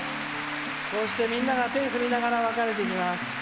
こうしてみんなが手を振りながら別れていきます。